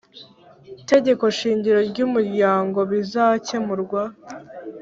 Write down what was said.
Tegeko shingiro ry umuryango bizakemurwa